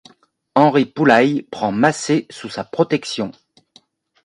Henry Poulaille prend Massé sous sa protection.